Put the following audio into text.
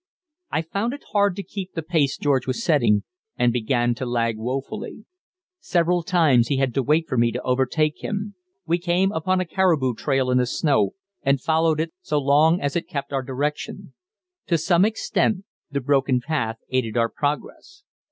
I found it hard to keep the pace George was setting, and began to lag wofully. Several times he had to wait for me to overtake him. We came upon a caribou trail in the snow, and followed it so long as it kept our direction. To some extent the broken path aided our progress.